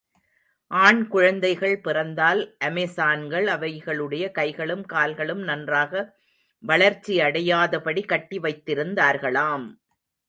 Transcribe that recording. ஆண் குழந்தைகள் பிறந்தால், அமெசான்கள் அவைகளுடைய கைகளும் கால்களும் நன்றாக வளர்ச்சியடையாதபடி கட்டி வைத்திருந்தார்களாம்!